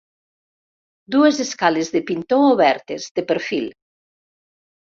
Dues escales de pintor obertes, de perfil.